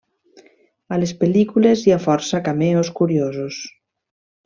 A les pel·lícules hi ha força cameos curiosos.